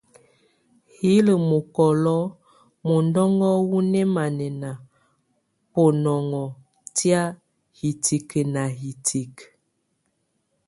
Yile mɔ́kɔlo mɔndɔnŋɔ wɔ nɛmanɛna bɔnɔnŋɔ tɛ hitikə na hitikə.